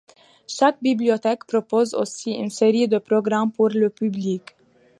Chaque bibliothèque propose aussi une série de programmes pour le public.